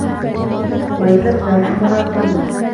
وَأَزلَفنا ثَمَّ الآخَرينَ